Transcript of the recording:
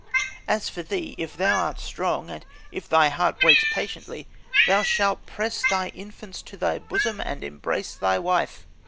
"'As for thee if thou art strong, and if thy heart waits patiently, thou shalt press thy infants to thy bosom and embrace thy wife.